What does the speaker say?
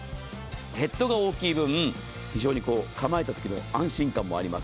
ヘッドが大きい分、非常に構えたときの安心感もあります。